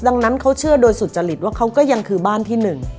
ดังนั้นเขาเชื่อโดยสุจริตว่าเขาก็ยังคือบ้านที่หนึ่ง